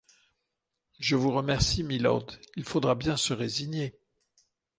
Je vous remercie, mylord, il faudra bien se résigner.